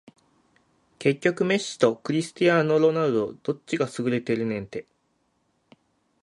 結局メッシとクリスティアーノ・ロナウドどっちが優れてるねんて